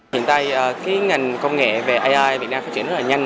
hiện tại cái ngành công nghệ về ai việt nam phát triển rất là nhanh